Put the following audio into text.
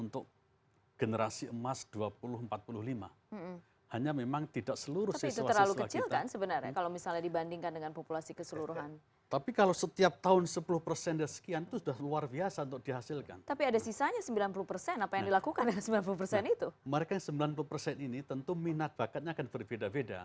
terima kasih pak menteri